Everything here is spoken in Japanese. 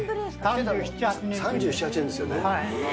３７、８年ですよね。